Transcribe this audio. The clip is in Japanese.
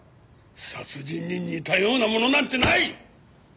殺人に似たようなものなんてない！